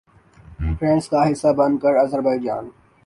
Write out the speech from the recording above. trends کا حصہ بن کر آذربائیجان